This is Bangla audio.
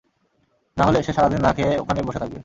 নাহলে, সে সারাদিন না খেয়ে ওখানেই বসে থাকবে।